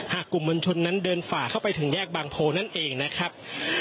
กลุ่มมวลชนนั้นเดินฝ่าเข้าไปถึงแยกบางโพนั่นเองนะครับ